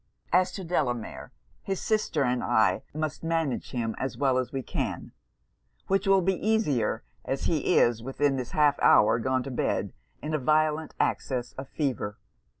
As to Delamere, his sister and I must manage him as well as we can; which will be the easier, as he is, within this half hour, gone to bed in a violent access of fever.